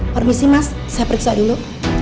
permisi mas saya periksa dulu